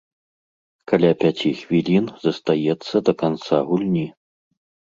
Каля пяці хвілін застаецца да канца гульні.